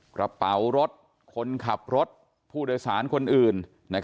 กระเป๋ารถคนขับรถผู้โดยสารคนอื่น